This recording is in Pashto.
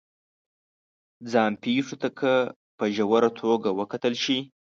ځان پېښو ته که په ژوره توګه وکتل شي